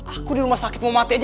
aku di rumah sakit mau mati aja